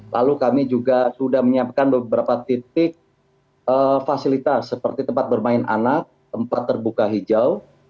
lalu kami juga sudah menyiapkan beberapa titik fasilitas seperti tempat bermain anak tempat terbuka hijau